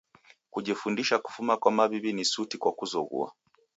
Kujifundisha kufuma kwa maw'iw'i ni suti kwa kuzoghua.